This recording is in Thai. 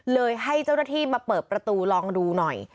เลยให้เจ้าหน้าที่มาเปิดประตูลองดูหน่อย